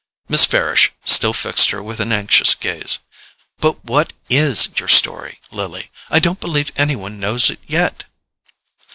Miss Farish still fixed her with an anxious gaze. "But what IS your story, Lily? I don't believe any one knows it yet."